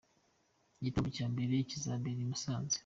Igitaramo cya mbere kizabera i Musanze.